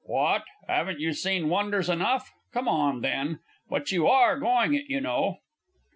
What! 'aven't you seen wonders enough? Come on, then. But you are going it you know!